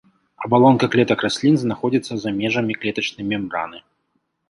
Абалонка клетак раслін знаходзіцца за межамі клетачнай мембраны.